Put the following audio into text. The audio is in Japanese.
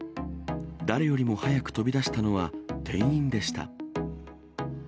誰よりも早く飛び出したのは、店員でした。